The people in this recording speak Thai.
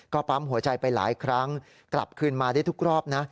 ก็ปั๊มหัวใจไปหลายครั้งกลับคืนมาได้ทุกรอบนะ